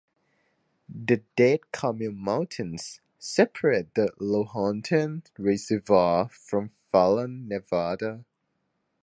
The Dead Camel mountains separate the Lahontan Reservoir from Fallon, Nevada.